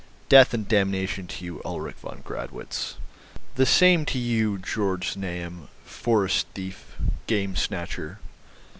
Death and damnation to you, Ulrich von Gradwitz." "The same to you, Georg Znaeym, forest thief, game snatcher."